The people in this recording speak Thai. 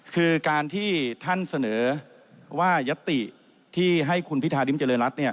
คือการที่ท่านเสนอว่ายัตติที่ให้คุณพิธาริมเจริญรัฐ